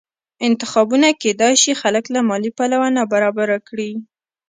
انتخابونه کېدای شي خلک له مالي پلوه نابرابره کړي